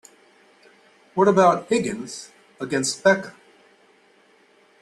What about Higgins against Becca?